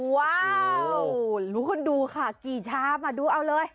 ว้าวรู้คุณดูค่ะกี่ชามมาดูเอาเลย